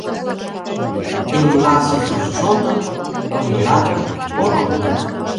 Эмла сусыр чоным, Ойлат, поро мут.